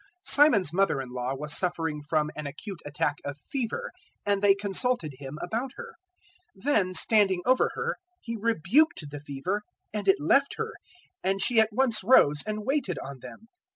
Simon's mother in law was suffering from an acute attack of fever; and they consulted Him about her. 004:039 Then standing over her He rebuked the fever, and it left her; and she at once rose and waited on them.